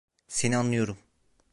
Seni anlıyorum.